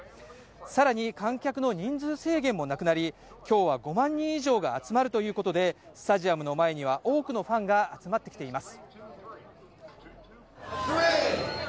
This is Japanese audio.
さらに観客の人数制限もなくなり、今日は５万人以上が集まるということで、スタジアムの前には多くのファンが集まってきています。